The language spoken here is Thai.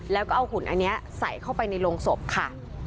แล้วก็เอาหุ่นอันนี้ใส่เข้าไปในโรงศพค่ะ